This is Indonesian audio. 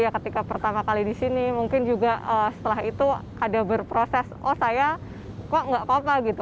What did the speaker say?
ketika pertama kali di sini mungkin juga setelah itu ada berproses oh saya kok nggak apa apa gitu